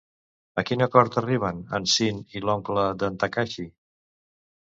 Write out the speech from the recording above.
A quin acord arriben en Sean i l'oncle d'en Takashi?